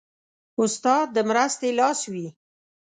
استاد د مرستې لاس وي.